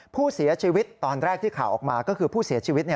ผู้เสียชีวิตตอนแรกที่ข่าวออกมาก็คือผู้เสียชีวิต